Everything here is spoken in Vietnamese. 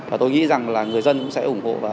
và tôi nghĩ rằng là người dân cũng sẽ ủng hộ